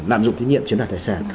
lạm dụng thí nghiệm chiếm đoạt tài sản